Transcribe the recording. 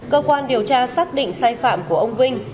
cơ quan điều tra xác định sai phạm của ông vinh